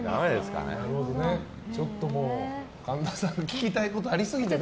ちょっと神田さん聞きたいことありすぎてね。